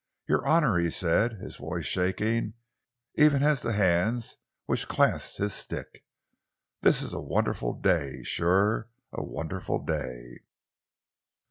"Your honour," he said, his voice shaking even as the hands which clasped his stick, "this is a wonderful day sure, a wonderful day!"